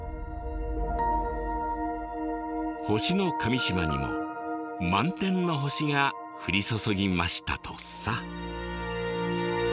星神島にも満天の星が降り注ぎましたとさ。